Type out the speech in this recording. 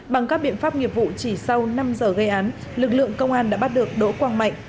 bằng các biện pháp nghiệp vụ chỉ sau năm giờ gây án lực lượng công an đã bắt được đỗ quang mạnh